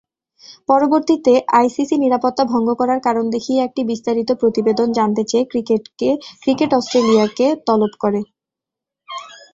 পরবর্তীতে আইসিসি নিরাপত্তা ভঙ্গ করার কারণ দেখিয়ে একটি বিস্তারিত প্রতিবেদন জানতে চেয়ে ক্রিকেট অস্ট্রেলিয়াকে তলব করে।